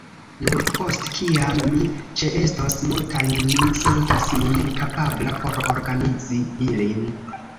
Nur post kiam mi ĉeestos multajn mi sentos min kapabla por organizi ilin.